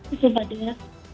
itu mbak dea